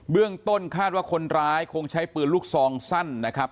เรื่องต้นคาดว่าคนร้ายคงใช้ปืนลูกซองสั้นนะครับ